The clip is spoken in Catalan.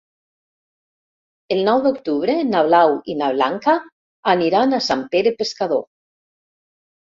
El nou d'octubre na Blau i na Blanca aniran a Sant Pere Pescador.